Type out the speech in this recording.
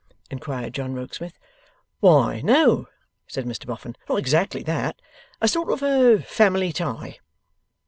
inquired John Rokesmith. 'Why no,' said Mr Boffin, 'not exactly that; a sort of a family tie.